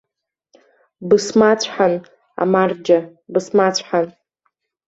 Бысмацәҳан, амарџьа, бысмацәҳан!